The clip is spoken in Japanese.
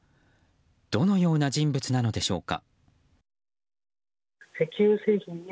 どのような人物なのでしょうか。